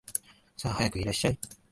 さあ、早くいらっしゃい